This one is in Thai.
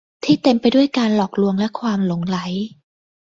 ที่เต็มไปด้วยการหลอกลวงและความหลงใหล